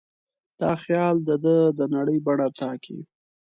دا خیال د ده د نړۍ بڼه ټاکي.